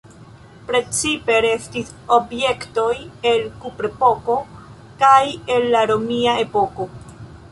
Precipe restis objektoj el kuprepoko kaj el la romia epoko.